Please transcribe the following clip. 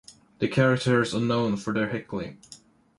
The characters are known for their heckling.